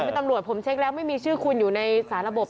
เป็นตำรวจผมเช็คแล้วไม่มีชื่อคุณอยู่ในสาระบบ